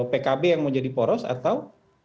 pkb yang mau jadi poros atau